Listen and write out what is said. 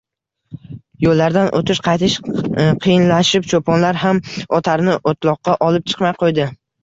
Yoʻllardan oʻtish-qaytish qiyinlashib, choʻponlar ham otarni oʻtloqqa olib chiqmay qoʻydi.